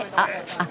あっ。